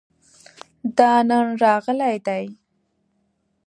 دا نن راغلی دی